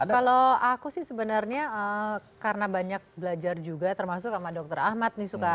kalau aku sih sebenarnya karena banyak belajar juga termasuk sama dokter ahmad nih suka